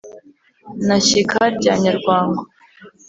na shyika rya nyarwangu.